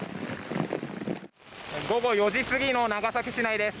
午後４時過ぎの長崎市内です。